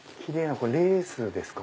これレースですか？